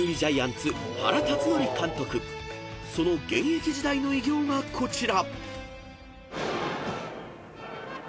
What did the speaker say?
［その現役時代の偉業がこちら］